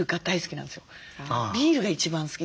ビールが一番好き。